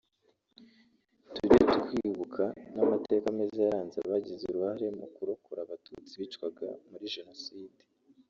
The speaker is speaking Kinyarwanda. tujye twibuka n’amateka meza yaranze abagize uruhare mu kurokora Abatutsi bicwaga muri Jenoside